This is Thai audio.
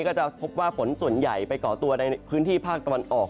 ก็จะพบว่าฝนส่วนใหญ่ไปก่อตัวในพื้นที่ภาคตะวันออก